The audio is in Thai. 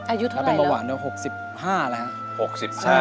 อายุเท่าไรหรือประวัติศาสตร์๖๕แล้วฮะ